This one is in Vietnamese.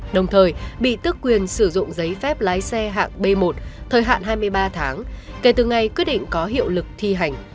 đồng thời bị tức quyền sử dụng giấy phép lái xe hạng b một thời hạn hai mươi ba tháng kể từ ngày quyết định có hiệu lực thi hành